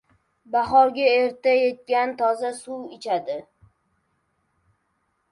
• Bahorga erta yetgan toza suv ichadi.